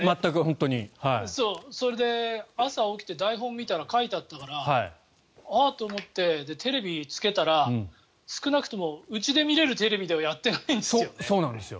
それで朝、起きて台本を見たら書いてあったからあっ、と思ってテレビをつけたら少なくともうちで見られるテレビではやってないんですよね。